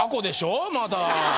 まだ。